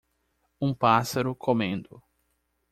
Um pássaro comendo.